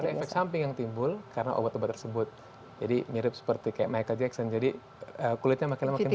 ada efek samping yang timbul karena obat obat tersebut jadi mirip seperti kayak michael jackson jadi kulitnya makin lama makin tinggi